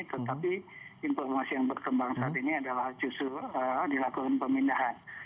tetapi informasi yang berkembang saat ini adalah justru dilakukan pemindahan